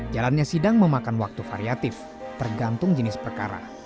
jalannya sidang memakan waktu variatif tergantung jenis perkara